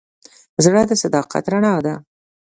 زړه د صداقت رڼا ده.